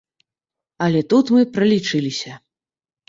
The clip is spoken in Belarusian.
Але тут мы пралічыліся.